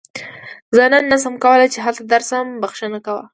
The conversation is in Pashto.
زه نن نشم کولی چې هلته درشم، بښنه کوه.